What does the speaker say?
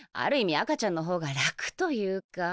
赤ちゃんのほうが楽というか。